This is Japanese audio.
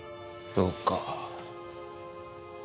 そうか。